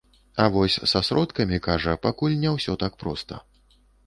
А вось са сродкамі, кажа, пакуль не ўсё так проста.